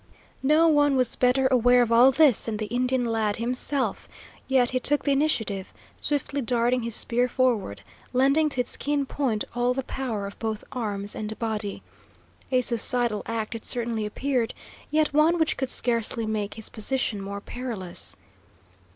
No one was better aware of all this than the Indian lad himself, yet he took the initiative, swiftly darting his spear forward, lending to its keen point all the power of both arms and body. A suicidal act it certainly appeared, yet one which could scarcely make his position more perilous.